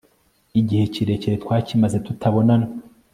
igihe kirekire twakimaze tutabonana